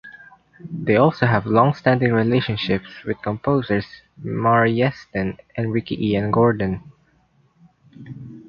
They also have long-standing relationships with composers Maury Yeston and Ricky Ian Gordon.